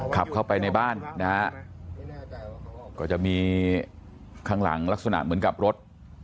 ขับเข้าไปในบ้านนะฮะก็จะมีข้างหลังลักษณะเหมือนกับรถ